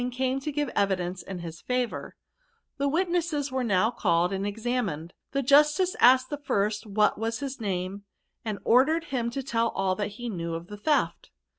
came to give evidence in his favour* The witnesses were now called and examined ^ the jnstioe asked the first what was his name, and or d^ed him to tell ftU that he knew of the theft.